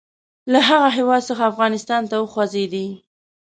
له هغه هیواد څخه افغانستان ته وخوځېدی.